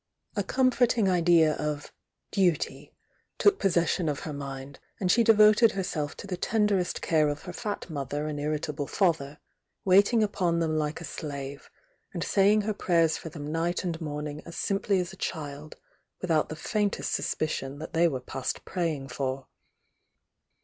A comforting idea of "duty" took possession of her mind, and she devoted her self to the tenderest care of her fat mother and irrit able father, waitmg upon them like a slave, and saymg her pravers for them ni^t and morning as junply as a child, without the faintest suspicion that they were past praying for.